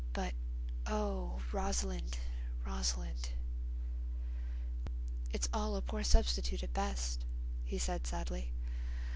But—oh, Rosalind! Rosalind!... "It's all a poor substitute at best," he said sadly.